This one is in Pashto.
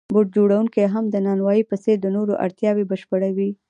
بوټ جوړونکی هم د نانوای په څېر د نورو اړتیاوې بشپړوي